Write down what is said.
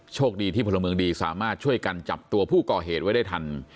โชคดีที่พลเมืองดีสามารถช่วยกันจับตัวผู้ก่อเหตุไว้ได้ทัน